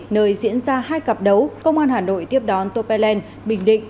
nơi diễn ra hai cặp đấu công an hà nội tiếp đón tô pê lên bình định